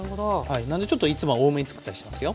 なんでちょっといつもは多めにつくったりしますよ。